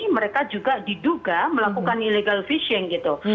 mereka juga diduga melakukan illegal fishing gitu